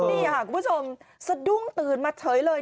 นี่ค่ะคุณผู้ชมสะดุ้งตื่นมาเฉยเลย